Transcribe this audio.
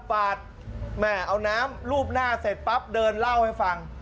ปาดแม่เอาน้ำรูปหน้าเสร็จปั๊บเดินเล่าให้ฟัง